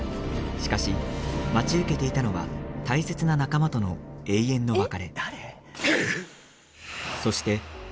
しかし、待ち受けていたのは大切な仲間との永遠の別れ。